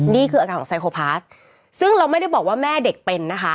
นี่คืออาการของไซโคพาสซึ่งเราไม่ได้บอกว่าแม่เด็กเป็นนะคะ